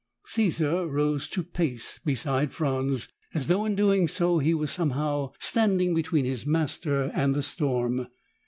Caesar rose to pace beside Franz, as though in so doing he was somehow standing between his master and the storm.